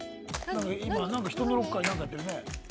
今なんか人のロッカーになんかやってるね。